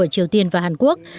của hàn quốc và mỹ